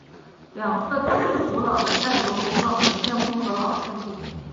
两侧都是古老的带有拱廊的店铺和老建筑。